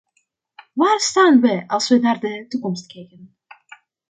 Waar staan we, als we naar de toekomst kijken?